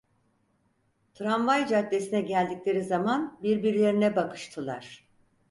Tramvay caddesine geldikleri zaman birbirlerine bakıştılar.